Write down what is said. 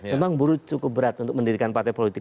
memang buruh cukup berat untuk mendirikan partai politik